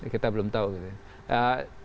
kita belum tahu gitu ya